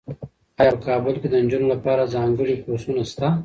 ایا په کابل کې د نجونو لپاره ځانګړي کورسونه شته؟